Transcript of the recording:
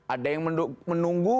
ada yang menunggu